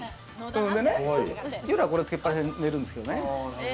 夜は、これをつけっ放しで寝るんですけどね。